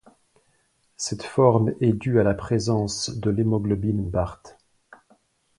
Cette forme est due à la présence de l'hémoglobine Bart.